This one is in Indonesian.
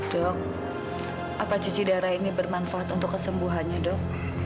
dok apa cuci darah ini bermanfaat untuk kesembuhannya dok